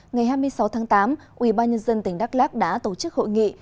ngày hai mươi sáu tháng tám ubnd tỉnh đắk lắc đã tổ chức hội nghị